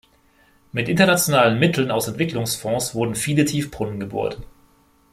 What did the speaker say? Mit internationalen Mitteln aus Entwicklungsfonds wurden viele Tiefbrunnen gebohrt.